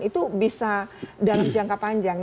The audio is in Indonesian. itu bisa dalam jangka panjang